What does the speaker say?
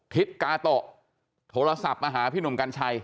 ทิศกาโตะโทรศัพท์มาหาพี่หนุ่มกัญชัย